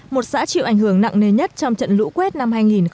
một xã chịu ảnh hưởng nặng nề nhất trong trận lũ quét năm hai nghìn một mươi tám